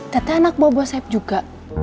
tete anak buah buah sayap juga